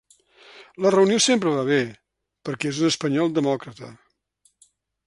La reunió sempre va bé, perquè és un espanyol demòcrata.